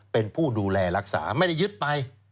เป็นผู้ดูแลรักษาไม่ได้ยึดไป